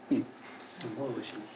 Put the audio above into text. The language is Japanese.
すごいおいしいです。